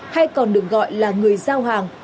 hay còn được gọi là người giao hàng